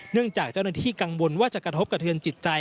จากเจ้าหน้าที่กังวลว่าจะกระทบกระเทือนจิตใจ